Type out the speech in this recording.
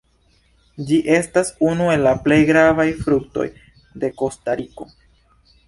Ĝi estas unu el la plej gravaj fruktoj de Kostariko.